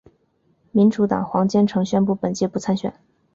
民主党黄坚成宣布本届不参选。